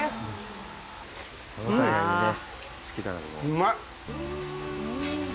うまい。